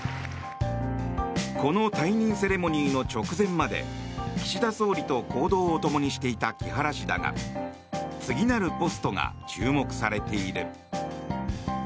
この退任セレモニーの直前まで岸田総理と行動をともにしていた木原氏だが次なるポストが注目されている。